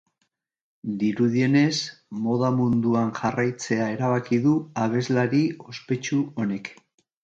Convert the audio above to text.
Dirudienez, moda munduan jarraitzea erabaki du abeslari ospetsu honek.